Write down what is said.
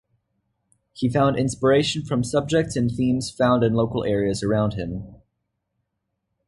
He found inspiration from subjects and themes found in local areas around him.